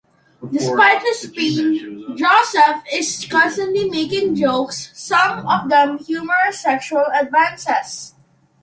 Despite his pain, Josef is constantly making jokes, some of them humorous sexual advances.